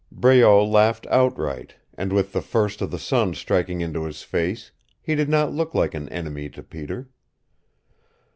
Breault laughed outright, and with the first of the sun striking into his face he did not look like an enemy to Peter.